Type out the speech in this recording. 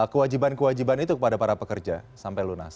kewajiban kewajiban itu kepada para pekerja sampai lunas